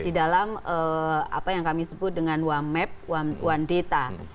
di dalam apa yang kami sebut dengan one map one data